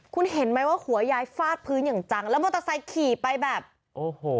คุณเห็นไหมว่าหัวยายฟาดพื้นอย่างจังแล้วมอเตอร์ไซค์ขี่ไปแบบโอ้โห